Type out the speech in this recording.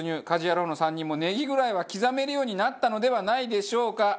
家事ヤロウの３人もネギぐらいは刻めるようになったのではないでしょうか。